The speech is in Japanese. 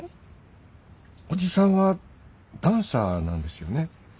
伯父さんはダンサーなんですよね？